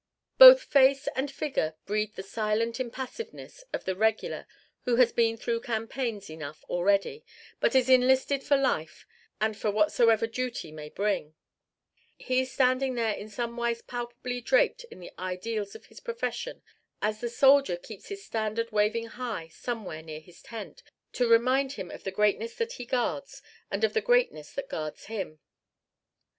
Both face and figure breathed the silent impassiveness of the regular who has been through campaigns enough already but is enlisted for life and for whatsoever duty may bring; he standing there in some wise palpably draped in the ideals of his profession as the soldier keeps his standard waving high somewhere near his tent, to remind him of the greatness that he guards and of the greatness that guards him.